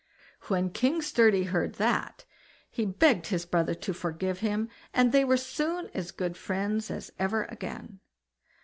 When King Sturdy heard that, he begged his brother to forgive him, and they were soon as good friends as ever again.